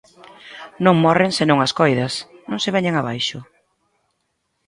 Non morren se non as coidas, non se veñen abaixo?